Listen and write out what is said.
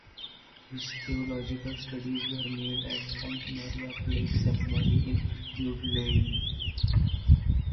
His theological studies were made at Saint Mary of Lake Seminary in Mundelein.